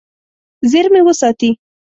زیرمې وساتي.